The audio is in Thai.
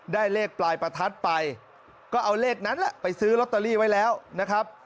ได้เลขปลายประทัดไปก็เอาเลขนั้นแหละไปซื้อลอตเตอรี่ไว้แล้วนะครับ